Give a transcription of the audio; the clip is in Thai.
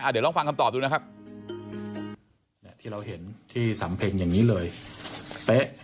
เดี๋ยวลองฟังคำตอบดูนะครับที่เราเห็นที่สำเพ็งอย่างนี้เลยเป๊ะ